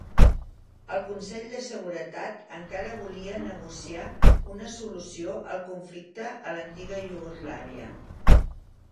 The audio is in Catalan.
El Consell de Seguretat encara volia negociar una solució al conflicte a l'antiga Iugoslàvia.